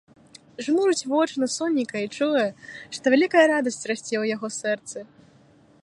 Жмурыць вочы на сонейка і чуе, што вялікая радасць расце ў яго сэрцы.